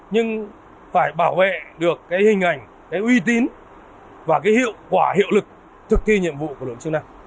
nhưng phải bảo vệ được hình ảnh uy tín và hiệu quả hiệu lực thực thi nhiệm vụ của lực lượng chức năng